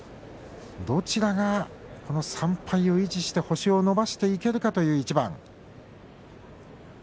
どちらが３敗を維持して星を伸ばしていけるかという一番。